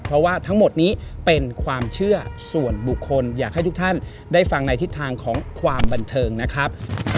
เพราะว่าทั้งหมดนี้เป็นความเชื่อส่วนบุคคลอยากให้ทุกท่านได้ฟังในทิศทางของความบันเทิงนะครับ